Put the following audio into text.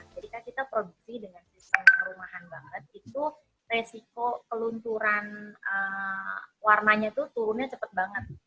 kan kita produksi dengan sistem rumahan banget itu resiko kelunturan warnanya tuh turunnya cepat banget